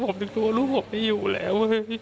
ผมถึงรู้ว่าลูกผมไม่อยู่แล้ว